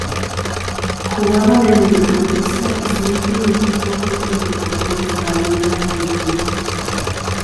Jugaba de Mediocampista y su ultimo equipo fue el Deportivo Español de Argentina.